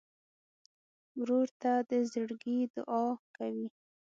ورور ته د زړګي دعاء کوې.